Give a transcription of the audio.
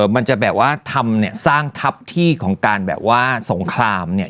มันจะแบบว่าทำเนี่ยสร้างทัพที่ของการแบบว่าสงครามเนี่ย